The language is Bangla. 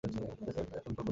এটা স্রেফ একটা বিকল্পই ছিল।